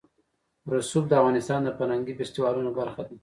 رسوب د افغانستان د فرهنګي فستیوالونو برخه ده.